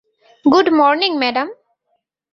Good morning, madam.